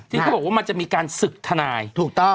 ที่เขาบอกว่ามันจะมีการศึกทนายถูกต้อง